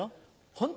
ホント？